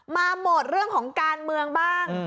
โหมดเรื่องของการเมืองบ้าง